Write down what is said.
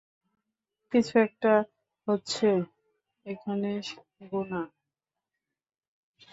কিছু একটা হচ্ছে এখানে, গুনা।